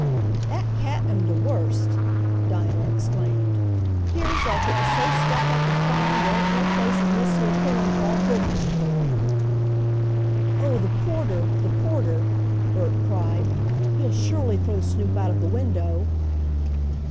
"Dat cat am de worst!" Dinah exclaimed. "'Pears like it was so stuck up an' fine dar ain't no place in dis 'yere Pullin' car good 'nough fer him." "Oh, the porter! the porter!" Bert cried. "He'll surely throw Snoop out of the window."